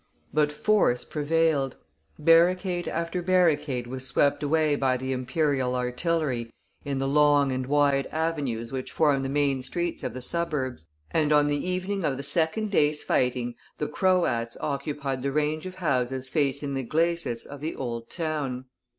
But force prevailed. Barricade after barricade was swept away by the imperial artillery in the long and wide avenues which form the main streets of the suburbs; and on the evening of the second day's fighting the Croats occupied the range of houses facing the glacis of the Old Town.